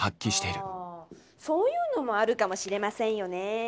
そぉーゆーのもあるかもしれませんよねェー。